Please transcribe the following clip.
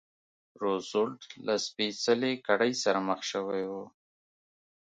روزولټ له سپېڅلې کړۍ سره مخ شوی و.